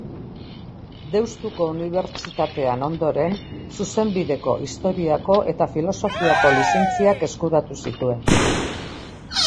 Deustuko Unibertsitatean, ondoren, Zuzenbideko, Historiako eta Filosofiako lizentziak eskuratu zituen.